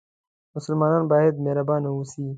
مسلمان باید مهربانه اوسي